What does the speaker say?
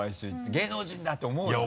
芸能人だ！って思うよね？